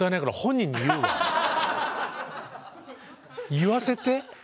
言わせて。